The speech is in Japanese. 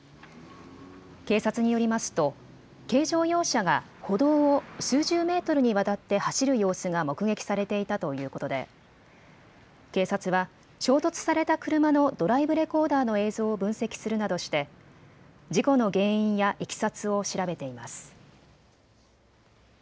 警察によりますと軽乗用車が歩道を数十メートルにわたって走る様子が目撃されていたということで警察は衝突された車のドライブレコーダーの映像を分析するなどして事故の原因やいきさつを調べています。